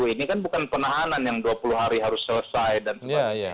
ini kan bukan penahanan yang dua puluh hari harus selesai dan sebagainya